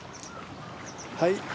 はい。